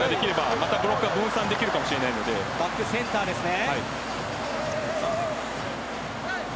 また、ブロックを分散できるかもしれないのでバックセンターですね。